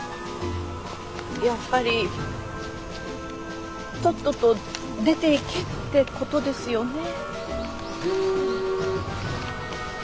やっぱりとっとと出ていけってことですよね。